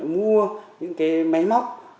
mua những cái máy móc